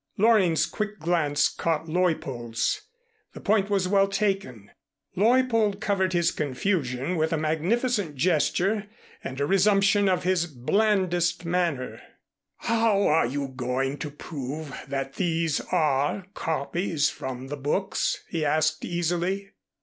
Loring's quick glance caught Leuppold's. The point was well taken. Leuppold covered his confusion with a magnificent gesture and a resumption of his blandest manner. "How are you going to prove that these are copies from the books?" he asked easily.